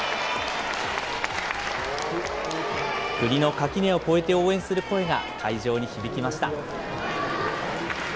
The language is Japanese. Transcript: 国の垣根を越えて応援する声が、会場に響きました。